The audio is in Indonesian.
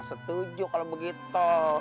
setuju kalo begitu